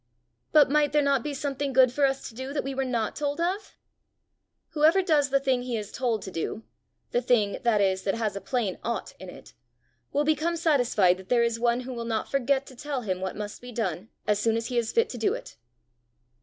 "But might there not be something good for us to do that we were not told of?" "Whoever does the thing he is told to do the thing, that is, that has a plain ought in it, will become satisfied that there is one who will not forget to tell him what must be done as soon as he is fit to do it."